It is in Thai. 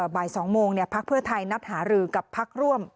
บ่าย๒โมงพักเพื่อไทยนัดหารือกับพักร่วม